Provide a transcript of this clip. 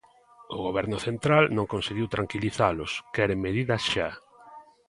O Goberno central non conseguiu tranquilizalos, queren medidas xa.